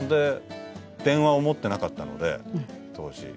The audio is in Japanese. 電話を持ってなかったので当時。